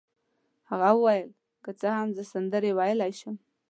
هغه وویل: که څه هم زه سندرې ویلای شم.